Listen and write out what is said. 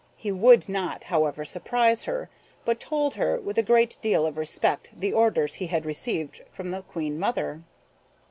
He would not, however, surprise her, but told her, with a great deal of respect, the orders he had received from the Queen mother.